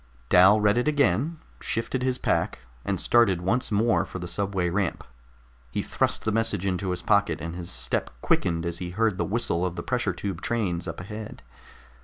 Dal read it again, shifted his pack, and started once more for the subway ramp. He thrust the message into his pocket, and his step quickened as he heard the whistle of the pressure tube trains up ahead.